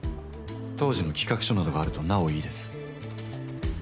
当時の企画書などがあるとなおいいです」。